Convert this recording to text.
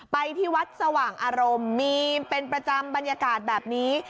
ไปที่วัดสว่างอารมณ์มีเป็นประจำบรรยากาศแบบนี้